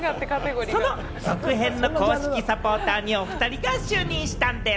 その続編の公式サポーターにおふたりが就任したんでぃす！